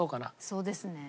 そうですね。